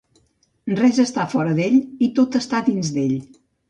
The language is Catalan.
Res està fora d'Ell i tot està dins d'Ell.